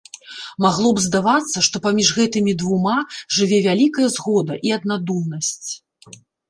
Магло б здавацца, што паміж гэтымі двума жыве вялікая згода і аднадумнасць.